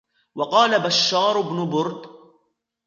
وَقَالَ بَشَّارُ بْنُ بُرْدٍ